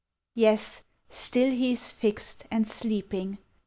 Yes, still he's fixed, and sleeping!